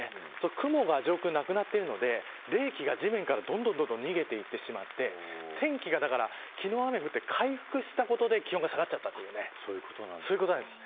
雲が上空になくなっているので冷気が地面からどんどん逃げていってしまって天気が、だから昨日雨が降って回復したことで気温が下がっちゃったというねそういうことなんです。